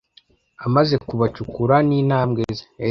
Amaze kubacukura nintambwe ze